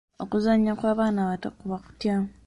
Okuzannya kw’abaana abato kuba kutya?